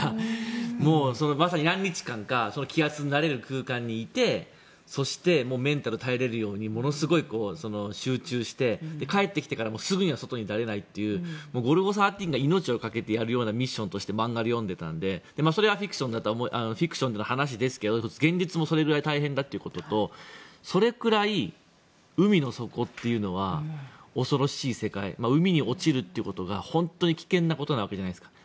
まさに何日間か気圧に慣れる空間にいてそして、メンタルが耐えられるようにものすごく集中して帰ってきてからもすぐには外に出られないというゴルゴ１３が命をかけてやるようなミッションとして漫画で読んでいたのでそれはフィクションでの話ですけど現実もそれくらい大変だということとそれくらい海の底というのは恐ろしい世界海に落ちるということが本当に危険なことなわけじゃないですか。